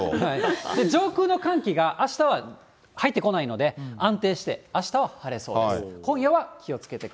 上空の寒気があしたは入ってこないので、安定して、あしたは晴れそうです。